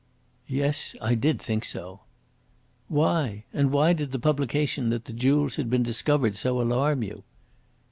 "Yes, I did think so." "Why? And why did the publication that the jewels had been discovered so alarm you?"